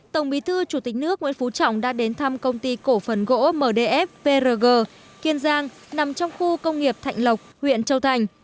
tổng bí thư chủ tịch nước nguyễn phú trọng đã đến thăm công ty cổ phần gỗ mdf prg kiên giang nằm trong khu công nghiệp thạnh lộc huyện châu thành